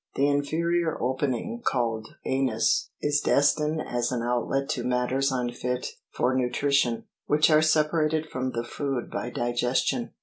The inferior opening, called arivs, is destined as an outlet to matters unfit lor nutrition, which are separated from the food by digestion.